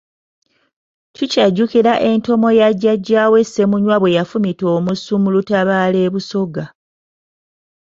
Tukyajjukira entomo ya jjajjaawe Ssemunywa bwe yafumita omusu mu lutabaalo e Busoga.